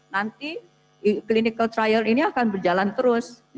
nanti clinical trial ini akan berjalan terus